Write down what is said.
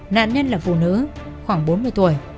nạn nhân là phụ nữ khoảng bốn mươi tuổi